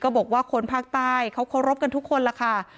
ก็บอกว่าคนภาคใต้เคาระรับกันทุกคนค่ะ